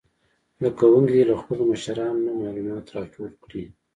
زده کوونکي دې له خپلو مشرانو نه معلومات راټول کړي.